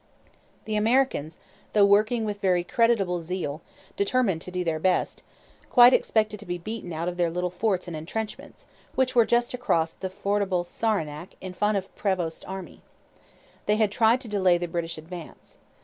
The Americans, though working with very creditable zeal, determined to do their best, quite expected to be beaten out of their little forts and entrenchments, which were just across the fordable Saranac in front of Prevost's army. They had tried to delay the British advance.